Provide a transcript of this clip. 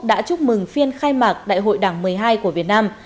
đã chúc mừng phiên khai mạc đại hội đảng một mươi hai của việt nam